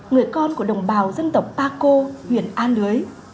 người con của đồng bào dân tộc ba cô huyện an lưới